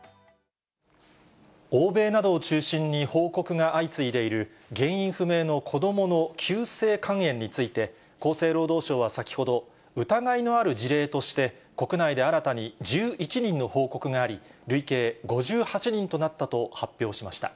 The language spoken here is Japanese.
欧米などを中心に報告が相次いでいる、原因不明の子どもの急性肝炎について、厚生労働省は先ほど、疑いのある事例として、国内で新たに１１人の報告があり、累計５８人となったと発表しました。